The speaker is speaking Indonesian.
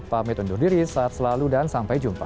pamit undur diri saat selalu dan sampai jumpa